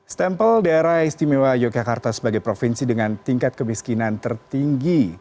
stempel daerah istimewa yogyakarta sebagai provinsi dengan tingkat kemiskinan tertinggi